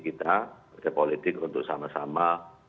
kita partai politik untuk sama sama